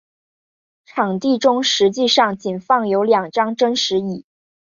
场地中实际上仅放有两张真实椅。